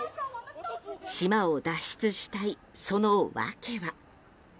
島を脱出したいその訳は。